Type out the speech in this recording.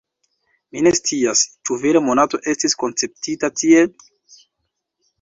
Mi ne scias, ĉu vere Monato estis konceptita tiel.